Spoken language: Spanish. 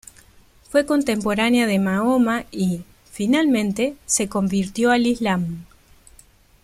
Fue contemporánea de Mahoma y, finalmente, se convirtió al Islam.